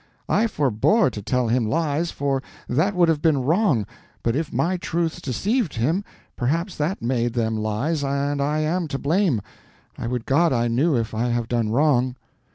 I forbore to tell him lies, for that would have been wrong; but if my truths deceived him, perhaps that made them lies, and I am to blame. I would God I knew if I have done wrong."